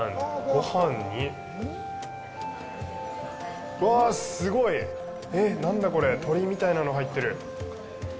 ごはんに、うわすごい！えっ、何だこれ、鶏みたいなの入ってる。